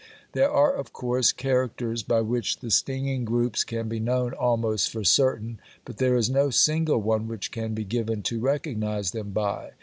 There are, of course, characters by which the stinging groups can be known almost for certain, but there is no single one which can be given to recognize them by.